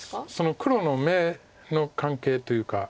黒の眼の関係というか。